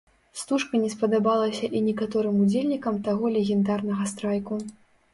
Стужка не спадабалася і некаторым удзельнікам таго легендарнага страйку.